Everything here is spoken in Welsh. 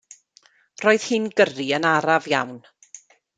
Roedd hi'n gyrru yn araf iawn.